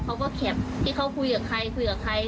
เขาก็แคปที่เขาคุยกับใครคุยกับใคร